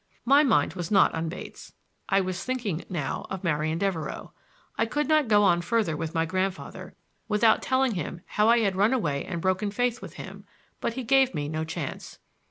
My mind was not on Bates. I was thinking now of Marian Devereux. I could not go on further with my grandfather without telling him how I had run away and broken faith with him, but he gave me no chance.